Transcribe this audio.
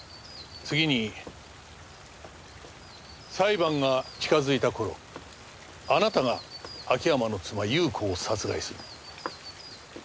次に裁判が近づいた頃あなたが秋山の妻裕子を殺害する。